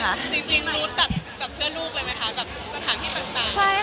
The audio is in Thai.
จริงรู้จักกับเพื่อนลูกเลยไหมคะกับสถานที่ต่าง